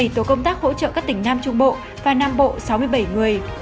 bảy tổ công tác hỗ trợ các tỉnh nam trung bộ và nam bộ sáu mươi bảy người